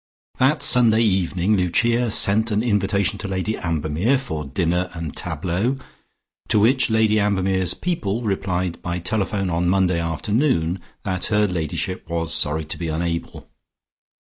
That Sunday evening Lucia sent an invitation to Lady Ambermere for "dinner and tableaux," to which Lady Ambermere's "people" replied by telephone on Monday afternoon that her ladyship was sorry to be unable.